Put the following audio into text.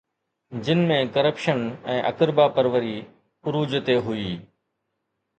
جن ۾ ڪرپشن ۽ اقربا پروري عروج تي هئي.